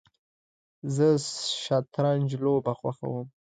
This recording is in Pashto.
زه شطرنج لوبه خوښوم